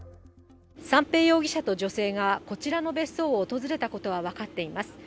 三瓶容疑者と女性がこちらの別荘を訪れたことは分かっています。